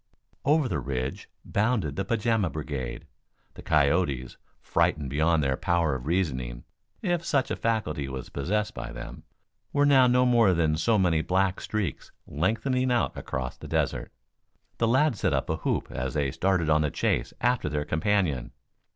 Over the ridge bounded the pajama brigade. The coyotes, frightened beyond their power of reasoning, if such a faculty was possessed by them, were now no more than so many black streaks lengthening out across the desert. The lads set up a whoop as they started on the chase after their companion.